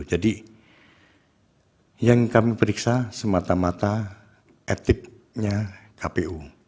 jadi yang kami periksa semata mata etiknya kpu